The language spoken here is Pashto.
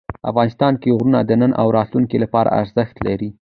افغانستان کې غرونه د نن او راتلونکي لپاره ارزښت لري.